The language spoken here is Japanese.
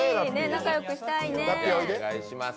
仲よくしたいね。